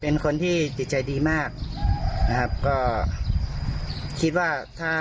นี่แหละค่ะ